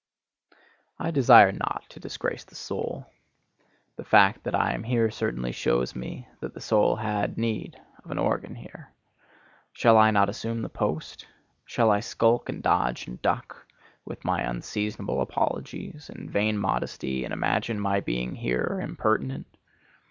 I desire not to disgrace the soul. The fact that I am here certainly shows me that the soul had need of an organ here. Shall I not assume the post? Shall I skulk and dodge and duck with my unseasonable apologies and vain modesty and imagine my being here impertinent?